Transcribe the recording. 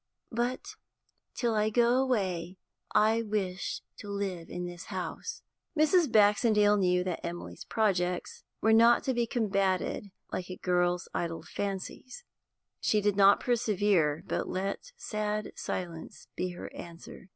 But till I go away I wish to live in this house.' Mrs. Baxendale knew that Emily's projects were not to be combated like a girl's idle fancies. She did not persevere, but let sad silence be her answer.